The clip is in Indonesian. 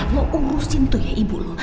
lu lu urusin tuh ya ibu lu